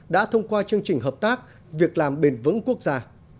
đã thông qua chương trình hợp tác việc làm bền vững quốc gia